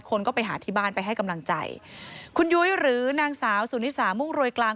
คนก็ไปหาที่บ้านไปให้กำลังใจคุณยุ้ยหรือนางสาวสุนิสามุ่งรวยกลาง